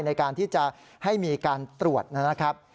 ในการที่จะให้มีการตรวจนะครับ